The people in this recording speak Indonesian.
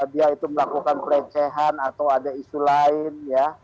dia itu melakukan pelecehan atau ada isu lain ya